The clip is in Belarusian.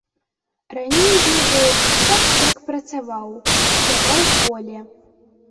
Раней, ведаеш, так-сяк працаваў, абсяваў поле.